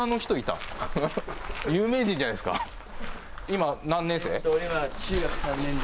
今、何年生？